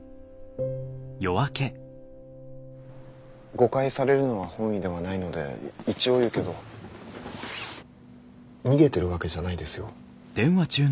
誤解されるのは本意ではないので一応言うけど逃げてるわけじゃないですよ。